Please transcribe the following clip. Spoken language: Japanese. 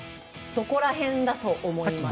どこら辺だと思いますか？